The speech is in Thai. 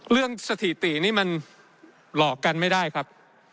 สถิตินี่มันหลอกกันไม่ได้ครับ